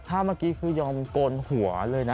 ถ้าเมื่อกี้คือยอมโกนหัวเลยนะ